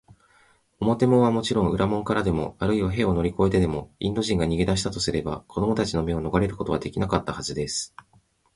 表門はもちろん、裏門からでも、あるいは塀を乗りこえてでも、インド人が逃げだしたとすれば、子どもたちの目をのがれることはできなかったはずです。